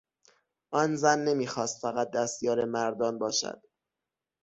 آن زن نمیخواست فقط دستیار مردان باشد.